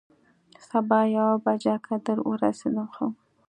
سبا یوه بجه که در ورسېدم، ښه.